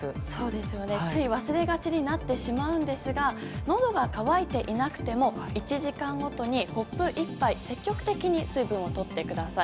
つい忘れがちになってしまうんですがのどが渇いていなくても１時間ごとにコップ１杯積極的に水分をとってください。